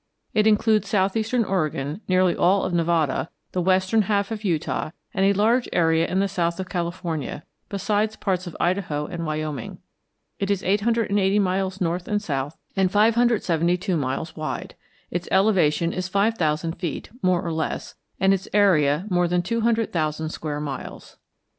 It includes southeastern Oregon, nearly all of Nevada, the western half of Utah, and a large area in the south of California, besides parts of Idaho and Wyoming. It is 880 miles north and south and 572 miles wide. Its elevation is five thousand feet, more or less, and its area more than two hundred thousand square miles.